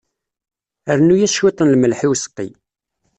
Rnu-yas cwiṭ n lmelḥ i useqqi.